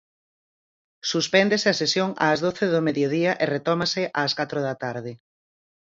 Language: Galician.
Suspéndese a sesión ás doce do mediodía e retómase ás catro da tarde.